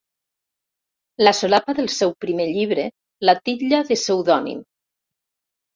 La solapa del seu primer llibre la titlla de pseudònim.